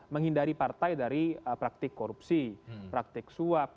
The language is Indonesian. menghindari partai dari praktik korupsi praktik suap